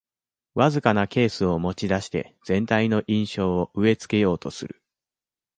わずかなケースを持ちだして全体の印象を植え付けようとする